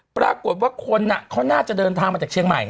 ปรากฏว่าคนเขาน่าจะเดินทางมาจากเชียงใหม่